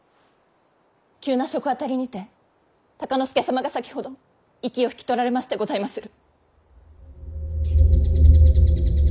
急な食あたりにて敬之助様が先ほど息を引き取られましてございまする！